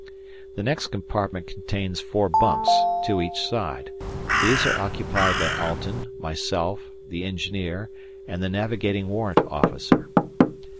The next compartment contains four bunks, two each side, these are occupied by Alten, myself, the engineer, and the Navigating Warrant Officer.